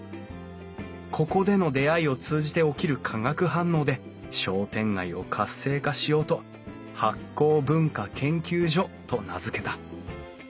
ここでの出会いを通じて起きる化学反応で商店街を活性化しようと醗酵文化研究所と名付けた。